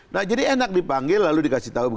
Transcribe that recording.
nah jadi enak dipanggil lalu dikasih tahu